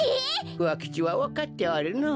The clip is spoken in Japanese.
ふわ吉はわかっておるのう。